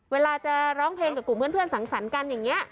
เวลาจะร้องเพลงกับกลุ่มเพื่อนสังสรรค์กันอย่างนี้